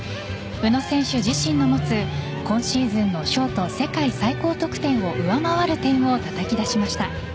宇野選手自身の持つ今シーズンのショート世界最高得点を上回る点をたたき出しました。